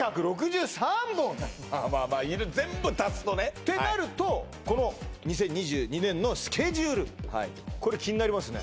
まあまあ全部足すとねてなるとこの２０２２年のスケジュールこれ気になりますね